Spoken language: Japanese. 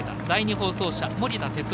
第２放送車森田。